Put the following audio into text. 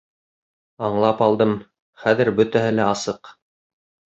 Аңлап алдым. Хәҙер бөтәһе лә асыҡ.